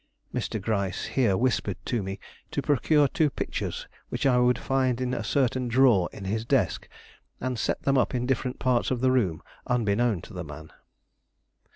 Mr. Gryce here whispered me to procure two pictures which I would find in a certain drawer in his desk, and set them up in different parts of the room unbeknown to the man.